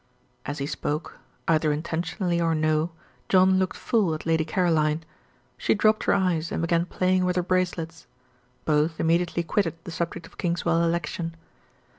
As he spoke either intentionally or no John looked full at Lady Caroline. She dropped her eyes and began playing with her bracelets. Both immediately quitted the subject of Kingswell election.